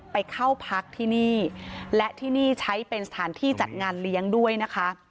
ไปเข้าพักที่นี่และที่นี่ใช้เป็นสถานที่จัดงานเลี้ยงด้วยนะคะ